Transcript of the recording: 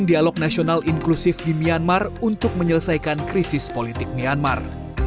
dialog nasional inklusif di myanmar untuk menyelesaikan krisis politik myanmar